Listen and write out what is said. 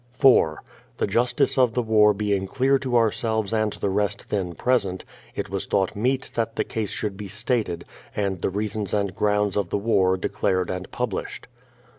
4. The justice of the war being clear to ourselves and the rest then present, it was thought meet that the case should be stated, and the reasons and grounds of the war declared and published.